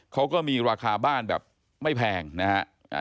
เขาก็มีราคาบ้านแบบไม่แพงนะฮะ